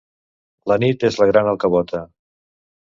La nit és la gran alcavota.